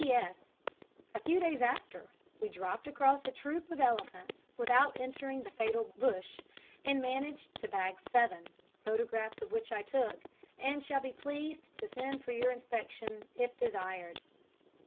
"P.S. A few days after we dropped across a troop of elephants without entering the fatal bush, and managed to bag seven, photographs of which I took, and shall be pleased to send for your inspection, if desired."